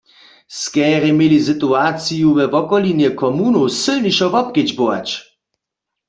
Skerje měli situaciju we wokolinje komunow sylnišo wobkedźbować.